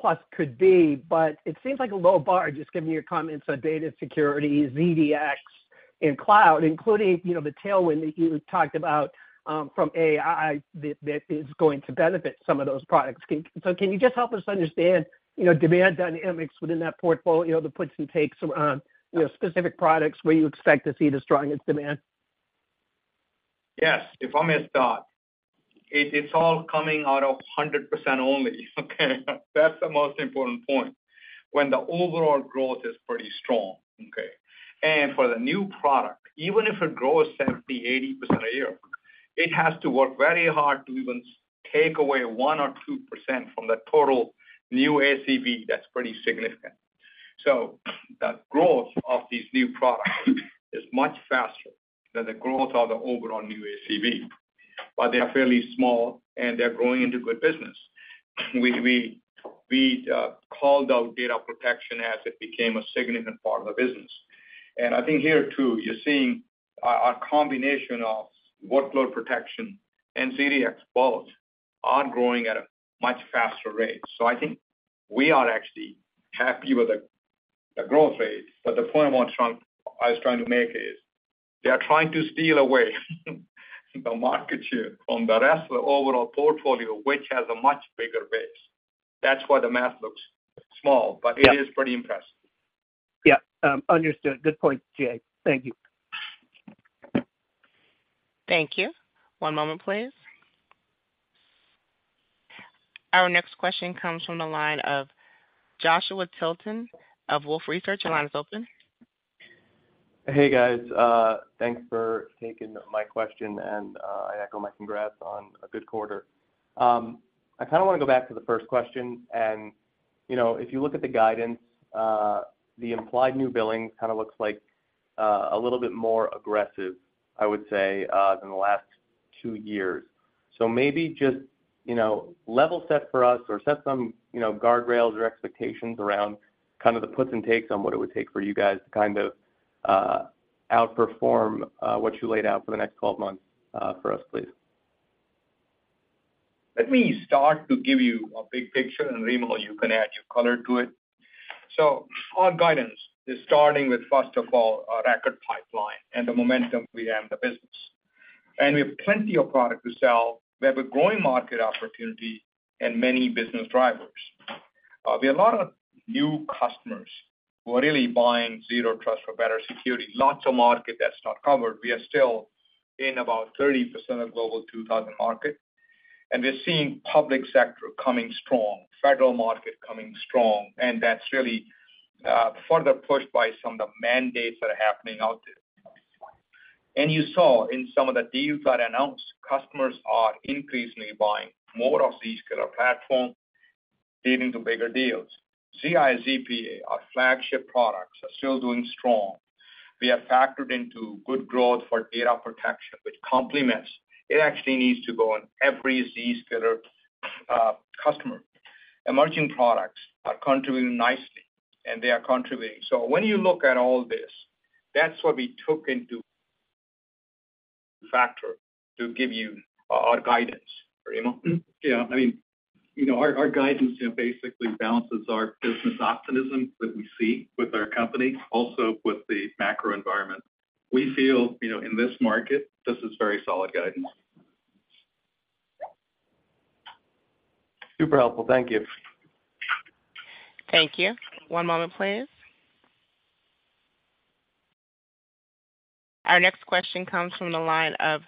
plus could be, but it seems like a low bar, just given your comments on data security, ZDX, and cloud, including the tailwind that you talked about from AI, that is going to benefit some of those products. So can you just help us understand demand dynamics within that portfolio, the puts and takes on specific products, where you expect to see the strongest demand? Yes. If I may start, it is all coming out of 100% only, okay? That's the most important point. When the overall growth is pretty strong, okay? And for the new product, even if it grows 70%-80% a year, it has to work very hard to even take away 1% or 2% from the total new ACV. That's pretty significant. So the growth of these new products is much faster than the growth of the overall new ACV, but they are fairly small, and they're growing into good business. We called out data protection as it became a significant part of the business. And I think here, too, you're seeing a combination of workload protection and ZDX both are growing at a much faster rate. I think we are actually happy with the growth rate, but the point I want, I was trying to make is, they are trying to steal away the market share from the rest of the overall portfolio, which has a much bigger base. That's why the math looks small- Yeah. But it is pretty impressive. Yeah, understood. Good point, Jay. Thank you. Thank you. One moment, please. Our next question comes from the line of Joshua Tilton of Wolfe Research. Your line is open. Hey, guys. Thanks for taking my question, and I echo my congrats on a good quarter. I kinda wanna go back to the first question, and, you know, if you look at the guidance, the implied new billing kinda looks like a little bit more aggressive, I would say, than the last two years. So maybe just, you know, level set for us or set some, you know, guardrails or expectations around kind of the puts and takes on what it would take for you guys to kind of outperform what you laid out for the next 12 months, for us, please. Let me start to give you a big picture, and Remo, you can add your color to it. Our guidance is starting with, first of all, a record pipeline and the momentum we have in the business. We have plenty of product to sell. We have a growing market opportunity and many business drivers. We have a lot of new customers who are really buying Zero Trust for better security. Lots of market that's not covered. We are still in about 30% of Global 2000 market, and we're seeing public sector coming strong, federal market coming strong, and that's really further pushed by some of the mandates that are happening out there. You saw in some of the deals that announced, customers are increasingly buying more of these kind of platform, leading to bigger deals. ZIA, ZPA, our flagship products, are still doing strong. We have factored into good growth for data protection, which complements it. Actually, it needs to go on every Zscaler customer. Emerging products are contributing nicely, and they are contributing. So when you look at all this, that's what we took into factor to give you our guidance. Remo? Our guidance basically balances our business optimism that we see with our company, also with the macro environment. We feel in this market, this is very solid guidance. Super helpful. Thank you. Thank you. One moment, please. Our next question comes from the line of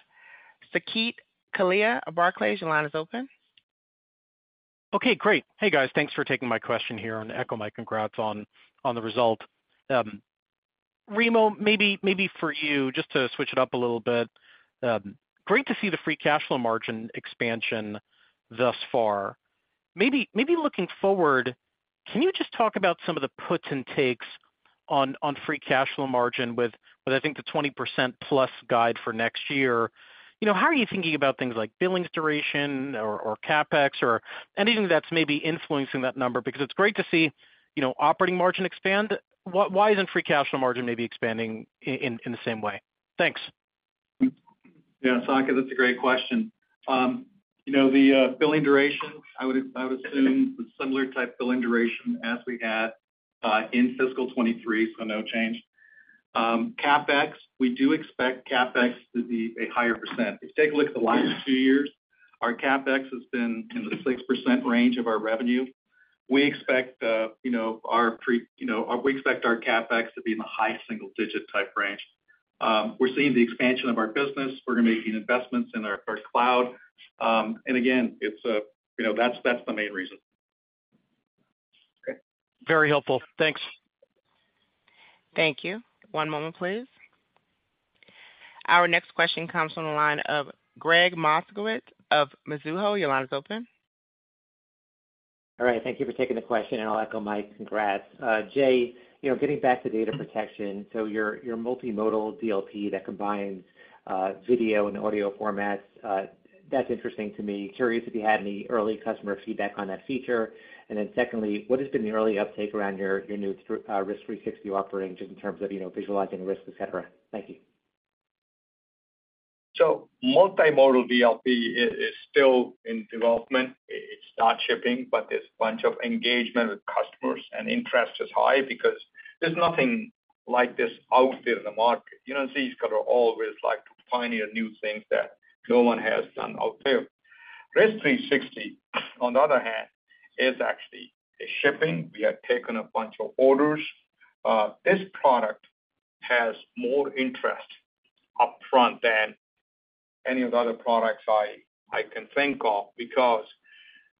Saket Kalia of Barclays. Your line is open. Okay, great. Hey, guys, thanks for taking my question here and echo my congrats on, on the result. Remo, maybe, maybe for you, just to switch it up a little bit, great to see the free cash flow margin expansion thus far. Maybe, maybe looking forward, can you just talk about some of the puts and takes on, on free cash flow margin with, with I think the 20%+ guide for next year? You know, how are you thinking about things like billings duration or, or CapEx or anything that's maybe influencing that number? Because it's great to see, you know, operating margin expand. Why, why isn't free cash flow margin maybe expanding in, in the same way? Thanks. Saket, that's a great question. The billing duration, I would assume the similar type billing duration as we had in fiscal 2023, so no change. CapEx, we do expect CapEx to be a higher percent. If you take a look at the last two years, our CapEx has been in the 6% range of our revenue. We expect our CapEx to be in the high single digit type range. We're seeing the expansion of our business. We're gonna be making investments in our cloud. And again, it's, you know, that's the main reason. Okay. Very helpful. Thanks. Thank you. One moment, please. Our next question comes from the line of Gregg Moskowitz from Mizuho. Your line is open. All right, thank you for taking the question, and I'll echo Mike. Congrats. Jay, you know, getting back to data protection, so your, your multimodal DLP that combines video and audio formats, that's interesting to me. Curious if you had any early customer feedback on that feature. And then secondly, what has been the early uptake around your, your new Risk360 offering, just in terms of, you know, visualizing risk, et cetera? Thank you. Multimodal DLP is still in development. It's not shipping, but there's a bunch of engagement with customers, and interest is high because there's nothing like this out there in the market. Zscaler always like to pioneer new things that no one has done out there. Risk360, on the other hand, is actually shipping. We have taken a bunch of orders. This product has more interest upfront than any of the other products I can think of because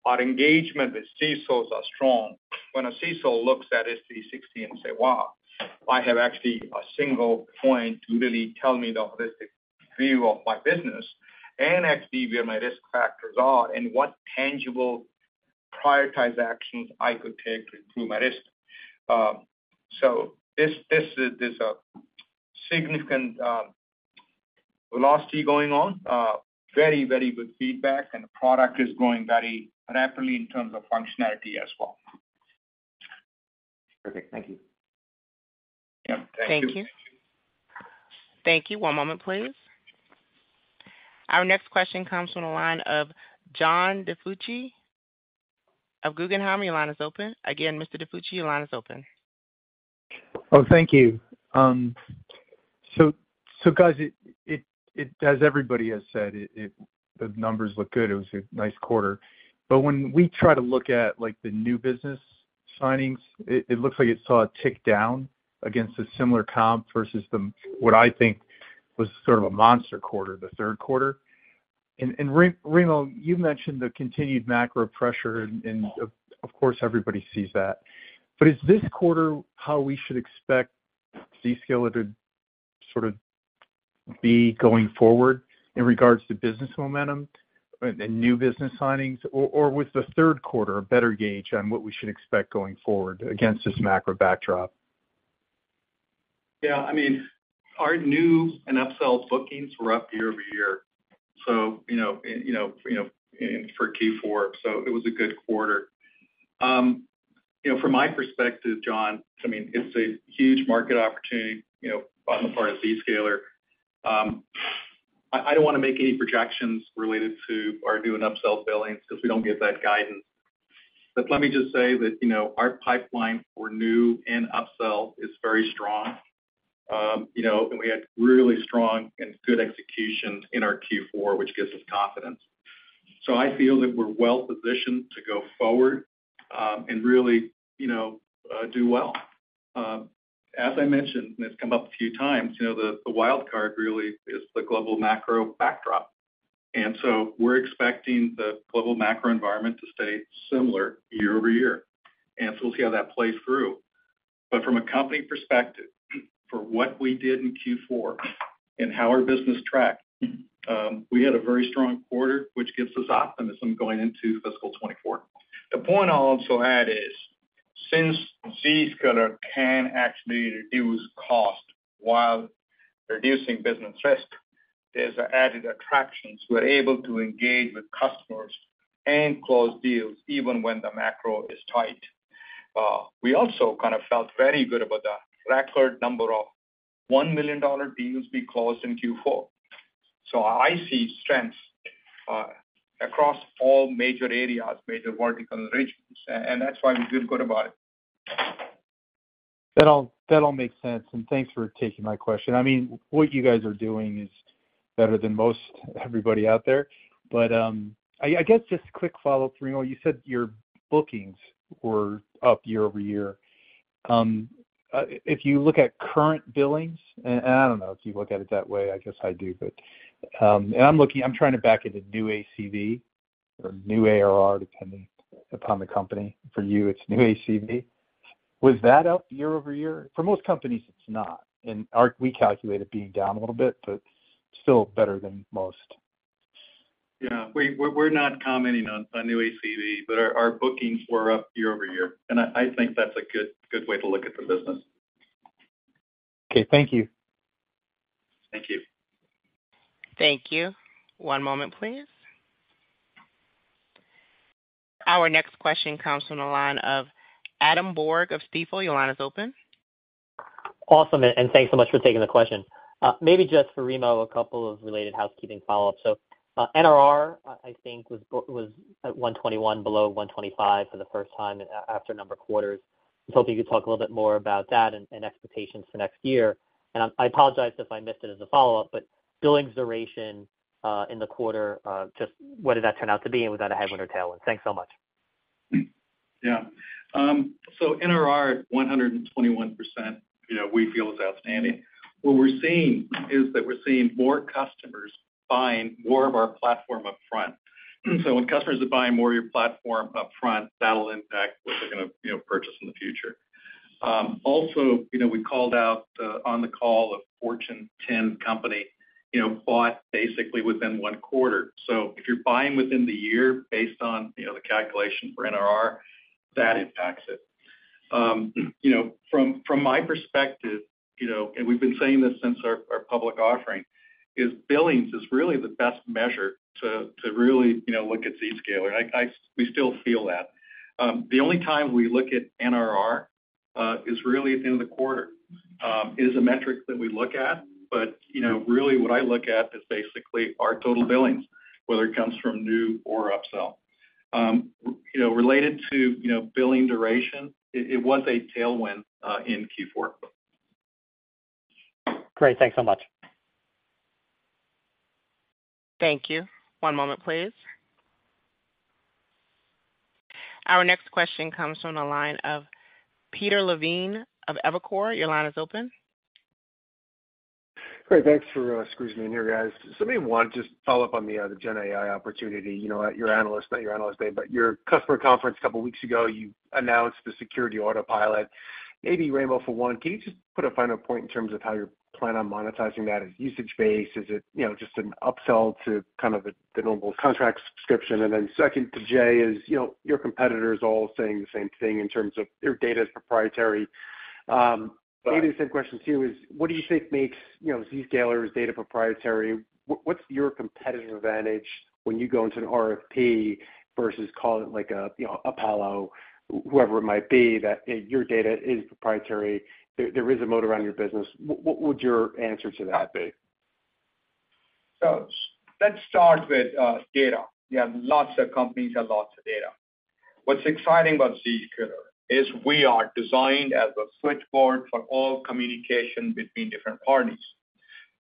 our engagement with CISOs are strong. When a CISO looks at Risk360 and say, "Wow, I have actually a single point to really tell me the holistic view of my business and actually where my risk factors are and what tangible prioritized actions I could take to improve my risk." So this is. There's a significant velocity going on. Very, very good feedback, and the product is going very rapidly in terms of functionality as well. Perfect. Thank you. Yeah. Thank you. Thank you. Thank you. One moment, please. Our next question comes from the line of John DiFucci of Guggenheim. Your line is open. Again, Mr. DiFucci, your line is open. Oh, thank you. So guys as everybody has said the numbers look good. It was a nice quarter. But when we try to look at the new business signings, it looks like it saw a tick down against a similar comp versus the, what I think was a monster quarter, the third quarter. And Remo, you mentioned the continued macro pressure, and of course, everybody sees that. But is this quarter how we should expect Zscaler to sort of be going forward in regards to business momentum and new business signings, or was the third quarter a better gauge on what we should expect going forward against this macro backdrop? Our new and upsell bookings were up year-over-year and for Q4, so it was a good quarter. From my perspective, John it's a huge market opportunity on the part of Zscaler. I don't wanna make any projections related to our new and upsell billings because we don't give that guidance. But let me just say that, you know, our pipeline for new and upsell is very strong. We had really strong and good execution in our Q4, which gives us confidence. So I feel that we're well-positioned to go forward, and really do well. As I mentioned, and it's come up a few times the wild card really is the global macro backdrop. And so we're expecting the global macro environment to stay similar year-over-year, and so we'll see how that plays through. But from a company perspective, for what we did in Q4 and how our business tracked, we had a very strong quarter, which gives us optimism going into fiscal 2024. The point I'll also add is, since Zscaler can actually reduce cost while reducing business risk, there's added attractions. We're able to engage with customers and close deals even when the macro is tight. We also kind of felt very good about the record number of $1 million deals we closed in Q4. So I see strengths across all major areas, major vertical regions, and that's why we feel good about it. That all makes sense, and thanks for taking my question. I mean, what you guys are doing is better than most everybody out there. But, I guess just a quick follow-up, Remo, you said your bookings were up year-over-year. If you look at current billings, and I don't know if you look at it that way, I guess I do, but, and I'm looking. I'm trying to back into new ACV or new ARR, depending upon the company. For you, it's new ACV. Was that up year-over-year? For most companies, it's not, and we calculate it being down a little bit, but still better than most. Yeah, we're not commenting on new ACV, but our bookings were up year-over-year, and I think that's a good way to look at the business. Okay. Thank you. Thank you. Thank you. One moment, please. Our next question comes from the line of Adam Borg of Stifel. Your line is open. Awesome, and thanks so much for taking the question. Maybe just for Remo, a couple of related housekeeping follow-ups. So, NRR, I think, was at 121, below 125 for the first time after a number of quarters. I was hoping you could talk a little bit more about that and expectations for next year. And I apologize if I missed it as a follow-up, but billings duration in the quarter, just what did that turn out to be, and was that a headwind or tailwind? Thanks so much. Yeah. So NRR at 121%, you know, we feel is outstanding. What we're seeing is that we're seeing more customers buying more of our platform upfront. So when customers are buying more of your platform upfront, that'll impact what they're gonna, you know, purchase in the future. Also, you know, we called out on the call, a Fortune 10 company, you know, bought basically within one quarter. So if you're buying within the year based on, you know, the calculation for NRR, that impacts it. You know, from my perspective, you know, and we've been saying this since our public offering, is billings is really the best measure to really, you know, look at Zscaler. We still feel that. The only time we look at NRR is really at the end of the quarter. It is a metric that we look at, but, you know, really what I look at is basically our total billings, whether it comes from new or upsell. You know, related to, you know, billing duration, it, it was a tailwind, in Q4. Great. Thanks so much. Thank you. One moment, please. Our next question comes from the line of Peter Levine of Evercore. Your line is open. Great. Thanks for squeezing me in here, guys. So maybe one, just follow up on the GenAI opportunity. At your Analyst, not your Analyst Day, but your Customer Conference a couple of weeks ago, you announced the Security Autopilot. Maybe, Remo, for one, can you just put a final point in terms of how you plan on monetizing that? Is it usage-based? Is it just an upsell to the normal contract subscription? And then second, to Jay, is your competitors are all saying the same thing in terms of their data is proprietary. Maybe the same question to you is, what do you think makes Zscaler's data proprietary? What's your competitive advantage when you go into an RFP versus call it like a Palo Alto, whoever it might be, that your data is proprietary, there is a moat around your business. What would your answer to that be? So let's start with data. You have lots of companies have lots of data. What's exciting about Zscaler is we are designed as a switchboard for all communication between different parties.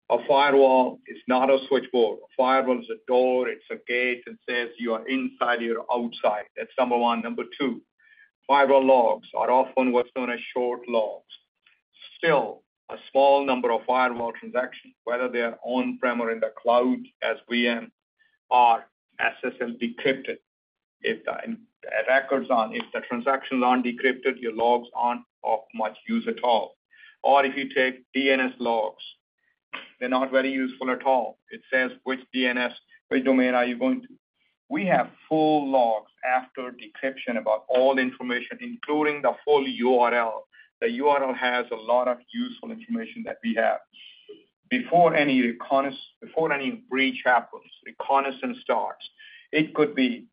A firewall is not a switchboard. A firewall is a door, it's a gate, and says, "You are inside, you are outside." That's number one. Number two, firewall logs are often what's known as short logs. Still, a small number of firewall transactions, whether they are on-prem or in the cloud, as we are, are SSL decrypted. If the transactions aren't decrypted, your logs aren't of much use at all. Or if you take DNS logs, they're not very useful at all. It says, which DNS, which domain are you going to? We have full logs after decryption about all the information, including the full URL. The URL has a lot of useful information that we have. Before any reconnaissance starts before any breach happens. It could be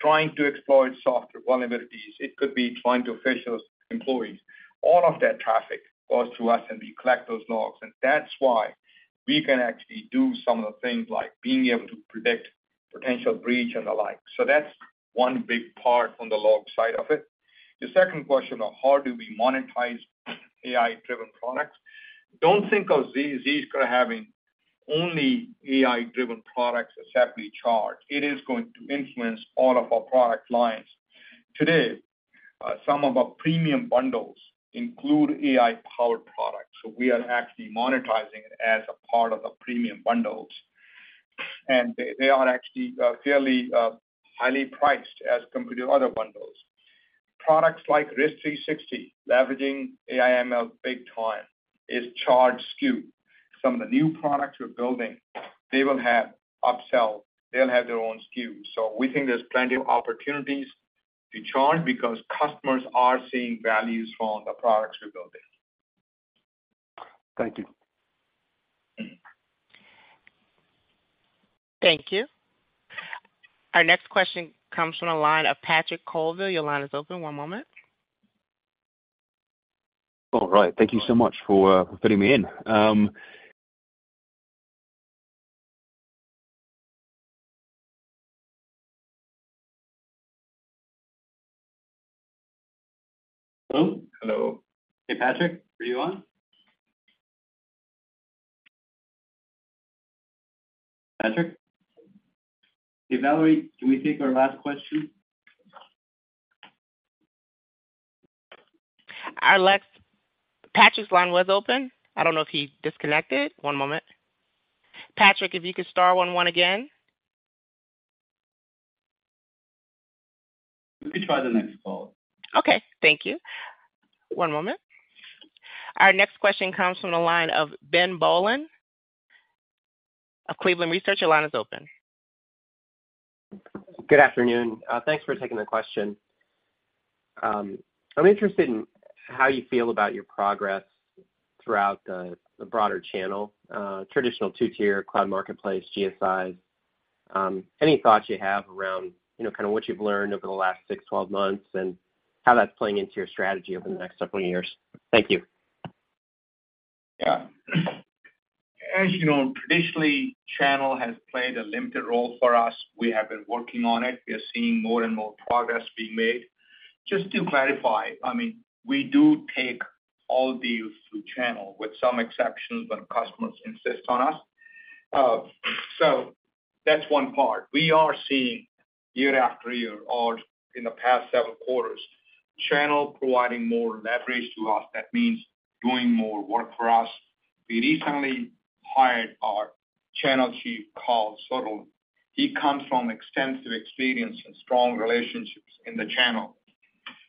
trying to exploit software vulnerabilities, it could be trying to phish those employees. All of that traffic goes through us, and we collect those logs, and that's why we can actually do some of the things like being able to predict potential breach and the like. So that's one big part on the log side of it. The second question of how do we monetize AI-driven products? Don't think of Zscaler having only AI-driven products that separately charged. It is going to influence all of our product lines. Today, some of our premium bundles include AI-powered products. So we are actually monetizing it as a part of the premium bundles, and they, they are actually, fairly, highly priced as compared to other bundles. Products like Risk360, leveraging AI/ML big time, is charged SKU. Some of the new products we're building, they will have upsell, they'll have their own SKU. So we think there's plenty of opportunities to charge because customers are seeing values from the products we're building. Thank you. Thank you. Our next question comes from the line of Patrick Colville. Your line is open. One moment. All right. Thank you so much for putting me in. Hello? Hello. Hey, Patrick, are you on? Patrick? Hey, Valerie, can we take our last question? Patrick's line was open. I don't know if he disconnected. One moment. Patrick, if you could star one one again. We could try the next call. Okay, thank you. One moment. Our next question comes from the line of Ben Bollin of Cleveland Research. Your line is open. Good afternoon. Thanks for taking the question. I'm interested in how you feel about your progress throughout the broader channel, traditional two-tier cloud marketplace, GSIs. Any thoughts you have around, you know, kind of what you've learned over the last 6, 12 months, and how that's playing into your strategy over the next several years? Thank you. Traditionally, channel has played a limited role for us. We have been working on it. We are seeing more and more progress being made. Just to clarify, I mean, we do take all deals through channel, with some exceptions, when customers insist on us. So that's one part. We are seeing year after year or in the past several quarters, channel providing more leverage to us. That means doing more work for us. We recently hired our Channel Chief, Karl Soderlund. He comes from extensive experience and strong relationships in the channel,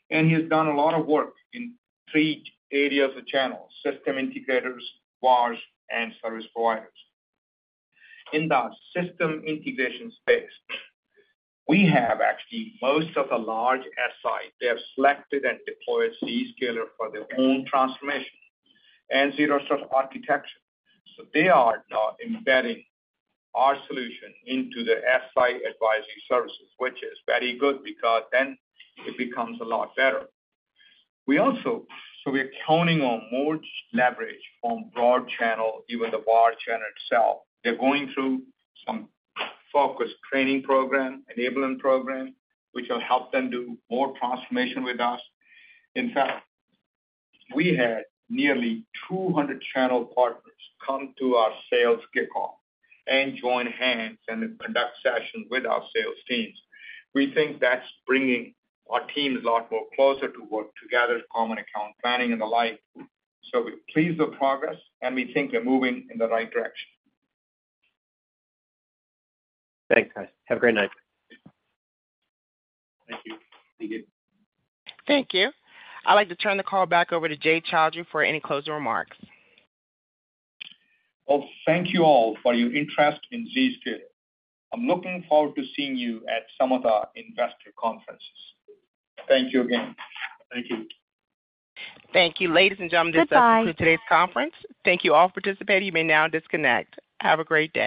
and he has done a lot of work in three areas of the channel: System Integrators, VARs, and Service Providers. In the System Integration space, we have actually most of the large SI. They have selected and deployed Zscaler for their own transformation and Zero Trust Architecture. So they are now embedding our solution into the SI advisory services, which is very good because then it becomes a lot better. We also, so we're counting on more leverage from broad channel, even the VAR channel itself. They're going through some focused training program, enabling program, which will help them do more transformation with us. In fact, we had nearly 200 channel partners come to our sales kickoff and join hands and conduct sessions with our sales teams. We think that's bringing our teams a lot more closer to work together, common account planning, and the like. So we're pleased with progress, and we think we're moving in the right direction. Thanks, guys. Have a great night. Thank you. Thank you. Thank you. I'd like to turn the call back over to Jay Chaudhry for any closing remarks. Well, thank you all for your interest in Zscaler. I'm looking forward to seeing you at some of the investor conferences. Thank you again. Thank you. Ladies and gentlemen, this concludes today's conference. Thank you all for participating. You may now disconnect. Have a great day.